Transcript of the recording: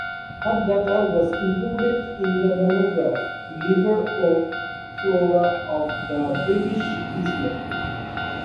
Her data was included in the monograph "Liverwort flora of the British Isles".